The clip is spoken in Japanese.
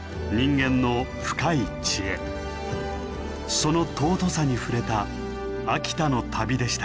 その尊さに触れた秋田の旅でした。